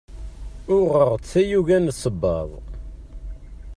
Uɣeɣ-d tayuga n ssebbaḍ.